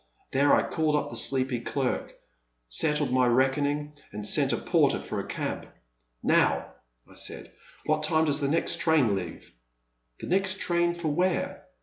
There I called up the sleepy clerk, settled my reckoning, and sent a porter for a cab. Now, I said, '*what time does the next train leave ?'* The next train for where